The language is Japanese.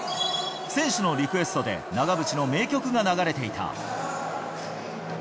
選手のリクエストで長渕の名曲が流れていた。